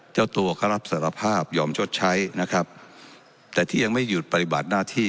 เจ้าตัวก็รับสารภาพยอมชดใช้นะครับแต่ที่ยังไม่หยุดปฏิบัติหน้าที่